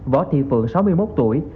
võ thị phượng sáu mươi một tuổi